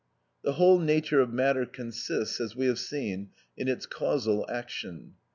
The whole nature of matter consists, as we have seen, in its causal action.